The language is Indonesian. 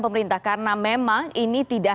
pemerintah karena memang ini tidak